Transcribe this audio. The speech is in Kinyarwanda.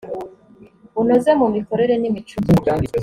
bunoze mu mikorere n imicungire